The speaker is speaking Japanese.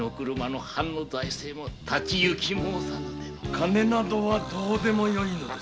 金などはどうでもよい。